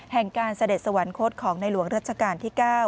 การเสด็จสวรรคตของในหลวงรัชกาลที่๙